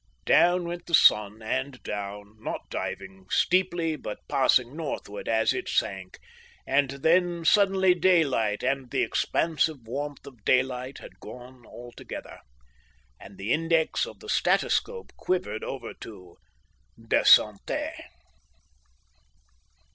Down went the sun and down, not diving steeply, but passing northward as it sank, and then suddenly daylight and the expansive warmth of daylight had gone altogether, and the index of the statoscope quivered over to Descente.